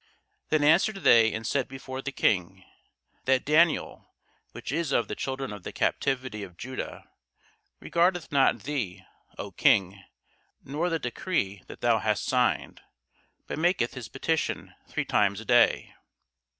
Then answered they and said before the King, That Daniel, which is of the children of the captivity of Judah, regardeth not thee, O King, nor the decree that thou hast signed, but maketh his petition three times a day.